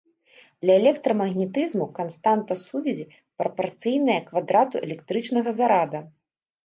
Для электрамагнетызму канстанта сувязі прапарцыйная квадрату электрычнага зарада.